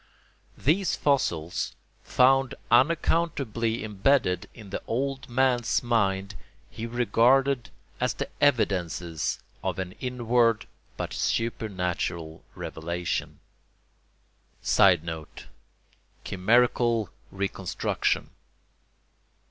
These fossils, found unaccountably imbedded in the old man's mind, he regarded as the evidences of an inward but supernatural revelation. [Sidenote: Chimerical reconstruction.